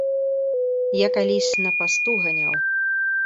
Я калісь на пасту ганяў.